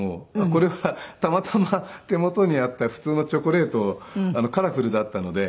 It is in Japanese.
これはたまたま手元にあった普通のチョコレートをカラフルだったので。